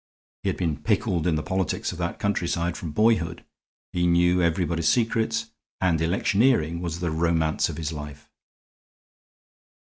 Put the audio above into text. He had been pickled in the politics of that countryside from boyhood, he knew everybody's secrets, and electioneering was the romance of his life.